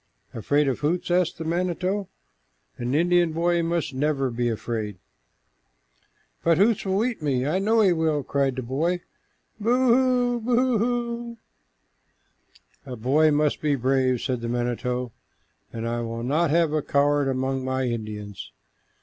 "Afraid of Hoots?" asked the manito. "An Indian boy must never be afraid." "But Hoots will eat me, I know he will," cried the boy. "Boo hoo, boo hoo!" "A boy must be brave," said the manito, "and I will not have a coward among my Indians.